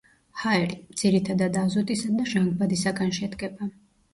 ჰაერი, ძირითადად აზოტისა და ჟანგბადისაგან შედგება.